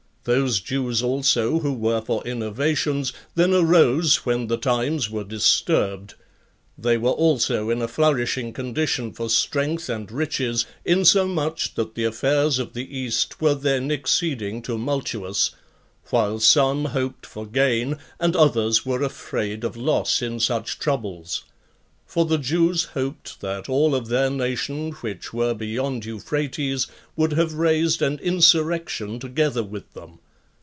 Those Jews also who were for innovations, then arose when the times were disturbed; they were also in a flourishing condition for strength and riches, insomuch that the affairs of the East were then exceeding tumultuous, while some hoped for gain, and others were afraid of loss in such troubles; for the Jews hoped that all of their nation which were beyond Euphrates would have raised an insurrection together with them.